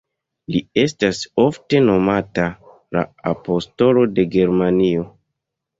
Li estas ofte nomata "la apostolo de Germanio".